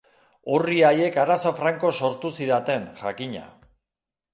Orri haiek arazo franko sortu zidaten, jakina.